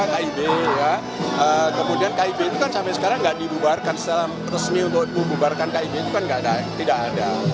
kib kemudian kib itu kan sampai sekarang nggak dibubarkan secara resmi untuk membubarkan kib itu kan tidak ada